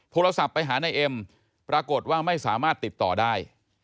โทรศัพท์ไปหานายเอ็มปรากฏว่าไม่สามารถติดต่อได้